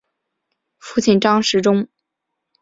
父亲张时中。